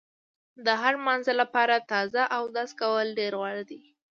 د هر مانځه لپاره تازه اودس کول ډېر غوره دي.